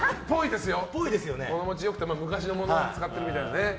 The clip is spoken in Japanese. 物持ちがよくて昔のものを使ってるみたいなね。